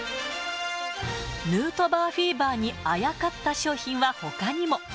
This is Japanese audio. ヌートバーフィーバーにあやかった商品はほかにも。